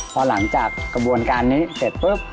พอหลังจากกระบวนการนี้เสร็จปุ๊บ